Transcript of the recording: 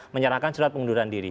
menyerahkan surat pengunduran diri